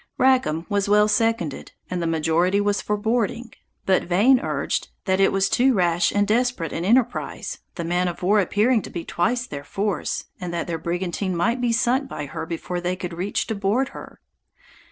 Rackam was well seconded, and the majority was for boarding; but Vane urged, "that it was too rash and desperate an enterprise, the man of war appearing to be twice their force, and that their brigantine might be sunk by her before they could reach to board her."